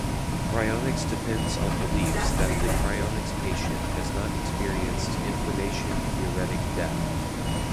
Cryonics depends on beliefs that the cryonics patient has not experienced information-theoretic death.